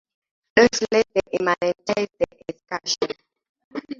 Don't let them immanentize the Eschaton.